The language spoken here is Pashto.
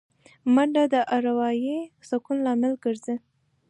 منډه د اروايي سکون لامل ګرځي